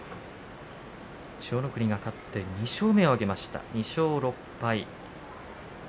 千代の国が勝って２勝目を挙げました、２勝６敗。